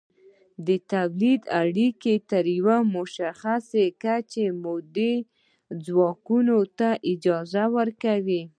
د تولید اړیکې تر یوې مشخصې کچې مؤلده ځواکونو ته اجازه ورکوي.